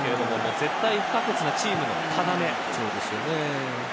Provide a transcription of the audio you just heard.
絶対不可欠なチームの要。